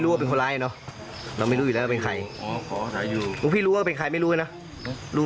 ขอขอขอขอขอขอขอขอขอขอขอขอขอ